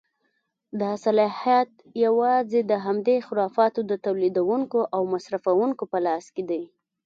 دا صلاحیت یوازې د همدې خرافاتو د تولیدوونکیو او مصرفوونکیو په لاس کې دی.